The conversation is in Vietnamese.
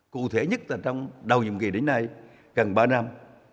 cụ thể nhất là trong đầu nhiệm kỳ đến nay gần ba năm